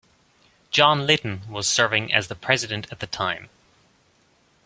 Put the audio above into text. John Litten was serving as the president at the time.